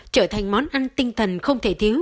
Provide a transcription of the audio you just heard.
trở thành món ăn tinh thần không thể thiếu